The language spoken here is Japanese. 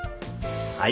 はい。